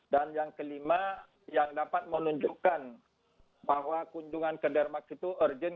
dan yang kelima yang dapat menunjukkan bahwa kunjungan ke denmark itu urgent